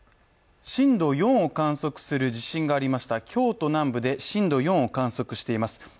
震度４を観測する地震がありました京都南部で震度４を観測しています。